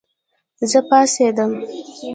زه پاڅېدم